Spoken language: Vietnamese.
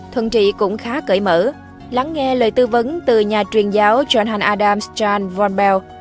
thuận trị cũng khá cởi mở lắng nghe lời tư vấn từ nhà truyền giáo john adam starn von bell